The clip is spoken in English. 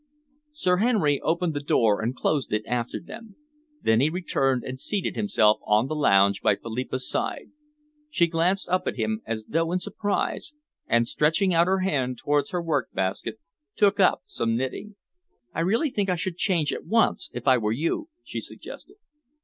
Sir Henry opened the door and closed it after them. Then he returned and seated himself on the lounge by Philippa's side. She glanced up at him as though in surprise, and, stretching out her hand towards her work basket, took up some knitting. "I really think I should change at once, if I were you," she suggested.